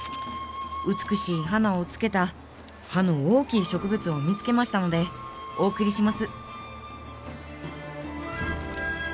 美しい花をつけた葉の大きい植物を見つけましたのでお送りします」。